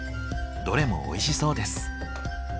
どれもおいしそうです。